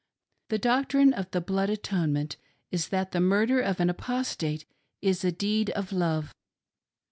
The doctrine of the " Blood Atonement " is that the murder of an Apostate is a deed of love